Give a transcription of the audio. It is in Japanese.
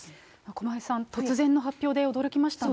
駒井さん、突然の発表で驚きましたね。